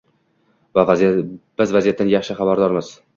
Biz vaziyatdan yaxshi xabardormiz.